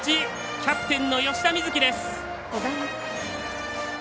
キャプテンの吉田瑞樹です！